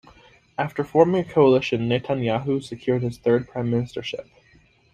After forming a coalition, Netanyahu secured his third prime ministership.